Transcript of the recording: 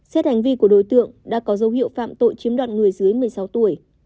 xét hành vi của đối tượng đã có dấu hiệu phạm tội chiếm đoạt người dưới một mươi sáu tuổi